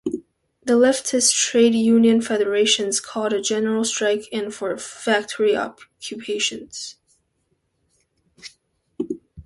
The leftist trade union federations called a general strike and for factory occupations.